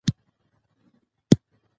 هندوکش د افغانستان د جغرافیوي تنوع مثال دی.